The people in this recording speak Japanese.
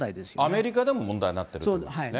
アメリカでも問題になってるっていうことですね。